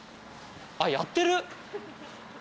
あっやってる。